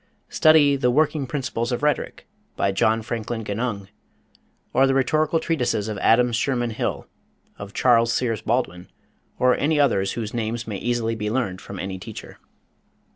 Study "The Working Principles of Rhetoric," by John Franklin Genung, or the rhetorical treatises of Adams Sherman Hill, of Charles Sears Baldwin, or any others whose names may easily be learned from any teacher.